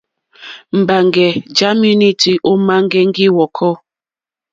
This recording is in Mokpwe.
Mbaŋgè ja menuti òma ŋgɛŋgi hvɔkɔ.